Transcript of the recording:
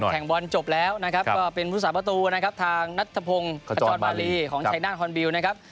แข่งบอลจบแล้วเป็นวุฒาประตูทางนัฐพงค์ขจอนมาลีของชายน่าร์ฮอนบิลล์